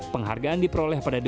penghargaan diperoleh pada debu